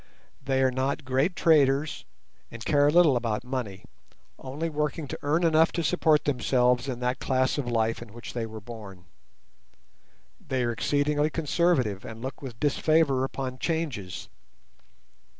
They are not great traders and care little about money, only working to earn enough to support themselves in that class of life in which they were born. They are exceedingly conservative, and look with disfavour upon changes.